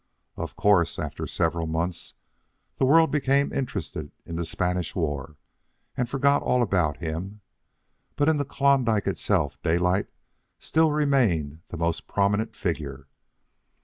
Of course, after several months, the world became interested in the Spanish War, and forgot all about him; but in the Klondike itself Daylight still remained the most prominent figure.